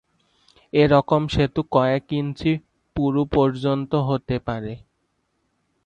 এরকম সেতু কয়েক ইঞ্চি পুরু পর্যন্ত হতে পারে।